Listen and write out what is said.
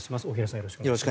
よろしくお願いします。